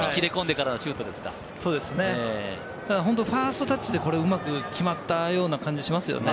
ただファーストタッチで、これをうまく決まったような感じがしますよね。